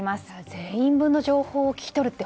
全員分の情報を聞き取るって